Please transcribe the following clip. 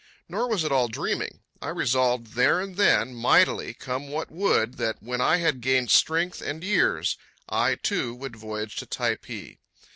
Nor was it all dreaming. I resolved there and then, mightily, come what would, that when I had gained strength and years, I, too, would voyage to Typee.